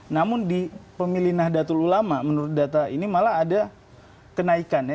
namun di pemilih nahdlatul ulama menurut data ini malah ada kenaikan ya